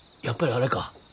やっぱりあれか？